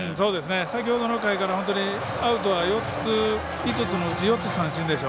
先ほどの回からアウトは４つ、５つのうち三振でしょ。